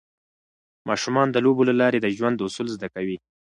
ماشومان د لوبو له لارې د ژوند اصول زده کوي.